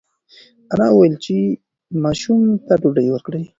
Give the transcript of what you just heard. انا وویل چې ماشوم ته ډوډۍ ورکړئ.